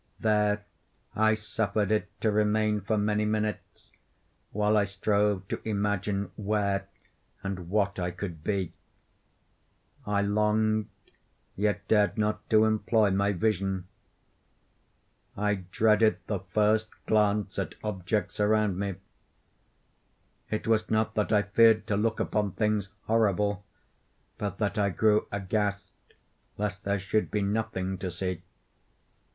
There I suffered it to remain for many minutes, while I strove to imagine where and what I could be. I longed, yet dared not to employ my vision. I dreaded the first glance at objects around me. It was not that I feared to look upon things horrible, but that I grew aghast lest there should be nothing to see.